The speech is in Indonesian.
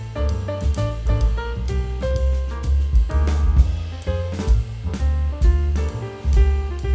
gak mau jadi kayak gini sih